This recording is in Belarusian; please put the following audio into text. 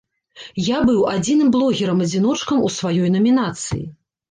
Я быў адзіным блогерам-адзіночкам у сваёй намінацыі.